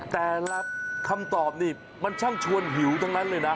แต่ละคำตอบนี่มันช่างชวนหิวทั้งนั้นเลยนะ